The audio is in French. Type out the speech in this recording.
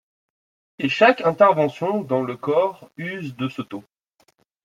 Et chaque intervention dans le corps use de ce taux.